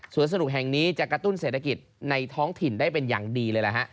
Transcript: ส่วนสนุกแห่งนี้จะกระตุ้นเศรษฐกิจในท้องถิ่นได้เป็นอย่างดีเลยล่ะฮะ